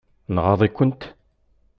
Nɣaḍ-ikent?